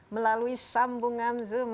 melalui sambungan zoom